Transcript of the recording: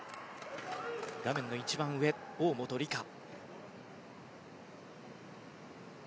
画面の一番上、大本里佳。